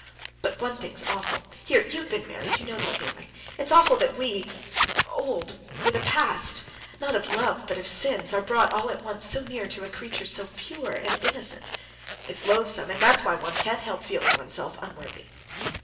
But one thing's awful.... Here, you've been married, you know the feeling ... it's awful that we—old—with a past ... not of love, but of sins ... are brought all at once so near to a creature pure and innocent; it's loathsome, and that's why one can't help feeling oneself unworthy."